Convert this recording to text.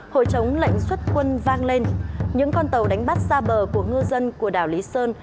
hồi chống lệnh xuất quân vang lên những con tàu đánh bắt ra bờ của ngư dân của đảo lý sơn